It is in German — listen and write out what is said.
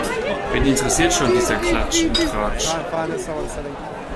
Wen interessiert schon dieser Klatsch und Tratsch?